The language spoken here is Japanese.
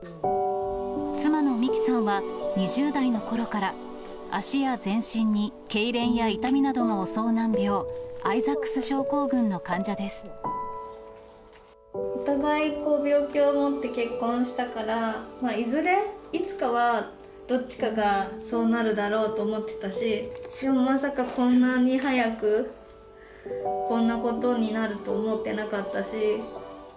妻の美紀さんは２０代のころから、脚や全身にけいれんや痛みなどが襲う難病、アイザックス症候群のお互い病気を持って結婚したから、いずれいつかは、どっちかがそうなるだろうと思ってたし、でもまさかこんなに早く、こんなことになると思ってなかったし。